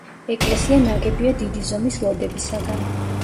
ეკლესია ნაგებია დიდი ზომის ლოდებისაგან.